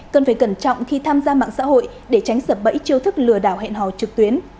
cần phải cẩn trọng khi tham gia mạng xã hội để tránh sập bẫy chiêu thức lừa đảo hẹn hò trực tuyến